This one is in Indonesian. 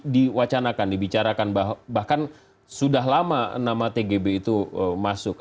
diwacanakan dibicarakan bahkan sudah lama nama tgb itu masuk